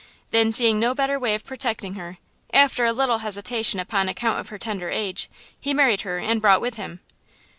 Then, seeing no better way of protecting her, after a little hesitation upon account of her tender age, he married her and brought with him."